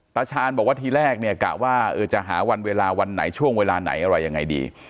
ตาชาญบอกว่าทีแรกเนี่ยกะว่าจะหาวันเวลาวันไหนช่วงเวลาไหนอะไรยังไงดี